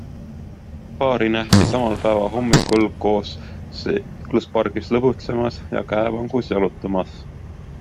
Paari nähti sama päeva hommikul koos seikluspargis lõbutsemas ja käevangus jalutamas.